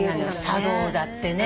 茶道だってね。